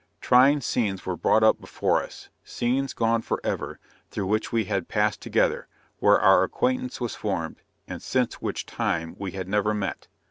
Trying scenes were brought up before us; scenes gone forever, through which we had passed together, where our acquaintance was formed, and since which time, we had never met.